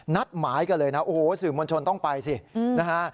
นัดหมายกันเลยนะโอ้โหสื่อมวลชนต้องไปสินะฮะ